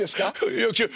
いや違う。